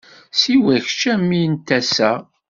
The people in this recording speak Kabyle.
Siwa i kečč a mmi n tasa.